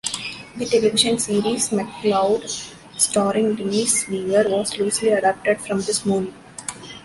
The television series "McCloud", starring Dennis Weaver, was loosely adapted from this movie.